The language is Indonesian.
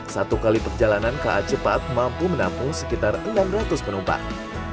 satu kali perjalanan ka cepat mampu menampung sekitar enam ratus penumpang